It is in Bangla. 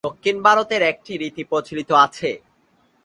দক্ষিণ ভারতে একটি রীতি প্রচলিত আছে।